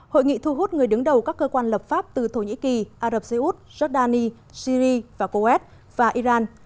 hội nghị thu hút người đứng đầu các cơ quan lập pháp từ thổ nhĩ kỳ ả rập xê út giordani syri và kuwait và iran